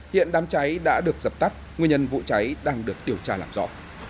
hiện đám cháy đã được dập tắt nguyên nhân vụ cháy đang được điều tra làm rõ